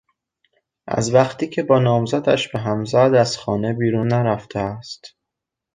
از وقتی که با نامزدش به هم زد از خانه بیرون نرفته است.